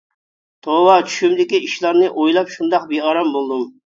توۋا چۈشۈمدىكى ئىشلارنى ئويلاپ شۇنداق بىئارام بولدۇم.